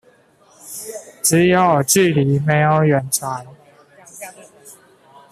只有距離沒有遠傳